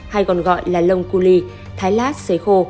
hay còn gọi là lông cu ly thái lát xế khô